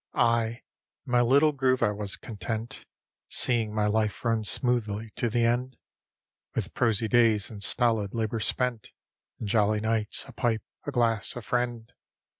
Ay, in my little groove I was content, Seeing my life run smoothly to the end, With prosy days in stolid labour spent, And jolly nights, a pipe, a glass, a friend.